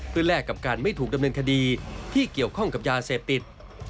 เพื่อแลกกับการไม่ถูกดำเนินคดีที่เกี่ยวข้องกับยาเสพติด